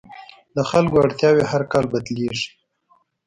د خلکو اړتیاوې هر کال بدلېږي.